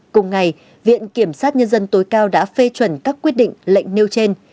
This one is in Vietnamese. cùng ngày viện kiểm sát nhân dân tối cao đã phê chuẩn các quyết định lệnh nêu trên